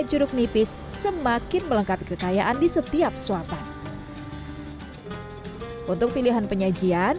jeruk nipis semakin melengkapi kekayaan di setiap suatan untuk pilihan penyajian